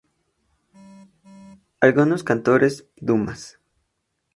Algunos cantores –Dumas.